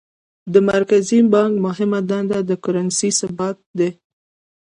د مرکزي بانک مهمه دنده د کرنسۍ ثبات دی.